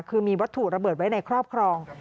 คือมีวัตถุระเบิดไว้ในครอบครอง